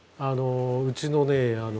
うちのね